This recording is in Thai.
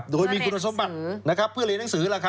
โดยมีคุณสมบัติเพื่อเรียนหนังสือ